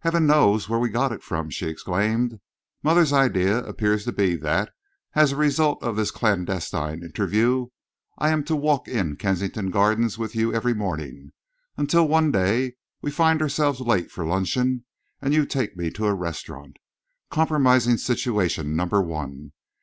"Heaven knows where we got it from!" she exclaimed. "Mother's idea appears to be that, as a result of this clandestine interview, I am to walk in Kensington Gardens with you every morning until one day we find ourselves late for luncheon and you take me to a restaurant. Compromising situation number one.